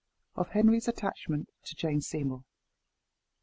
Of Henry's Attachment to Jane Seymour.